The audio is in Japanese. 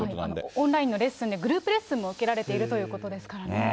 オンラインのレッスンで、グループレッスンも受けられているということですからね。